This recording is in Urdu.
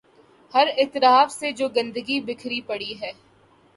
ہر اطراف میں جو گندگی بکھری پڑی ہے۔